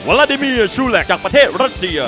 ลาดิเมียชูแลกจากประเทศรัสเซีย